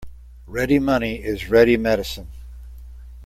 Ready money is ready medicine.